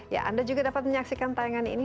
ya anda juga dapat menyaksikan tayangan ini